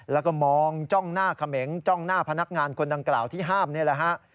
แล้วก็มองจ้องหน้าเขมงจ้องหน้าพนักงานคนดังกล่าวที่ห้ามนี่แหละฮะ